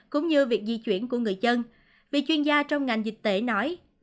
cũng như việc di chuyển của người dân vì chuyên gia trong ngành dịch tễ nói